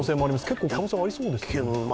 結構可能性、ありそうですね。